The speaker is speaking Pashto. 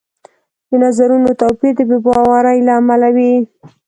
د نظرونو توپیر د بې باورۍ له امله وي